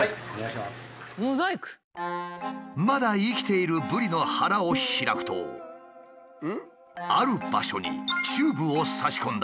まだ生きているブリの腹を開くとある場所にチューブを差し込んだ。